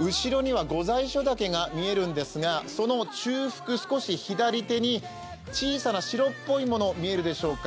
後ろには御在所岳が見えるんですがその中腹、少し左手に小さな白っぽいもの、見えますでしょうか。